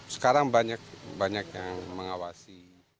sekarang banyak yang mengawasi